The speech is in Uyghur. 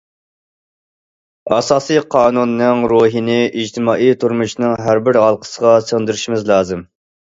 ئاساسى قانۇننىڭ روھىنى ئىجتىمائىي تۇرمۇشنىڭ ھەربىر ھالقىسىغا سىڭدۈرۈشىمىز لازىم.